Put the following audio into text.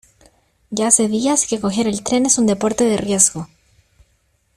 Ya hace días que coger el tren es un deporte de riesgo.